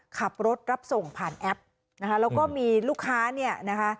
ขับรถรับส่งผ่านแอปนะคะแล้วก็มีลูกค้าเนี่ยนะคะ